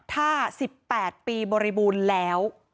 ถ้า๑๘ปีบริบูรณ์แล้ว